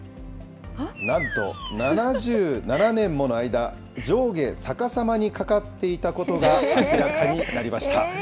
なんと７７年もの間、上下逆さまにかかっていたことが明らかになりました。